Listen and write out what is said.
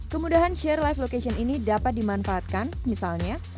kemudahan share live location ini dapat dimanfaatkan misalnya